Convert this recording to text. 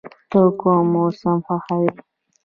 ته کوم موسم خوښوې؟